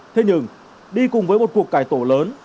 thế nhưng đi cùng với một cuộc cải tổ lớn